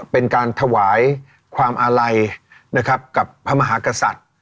เป็นการถวายความอาลัยนะครับกับพระมหากษัตริย์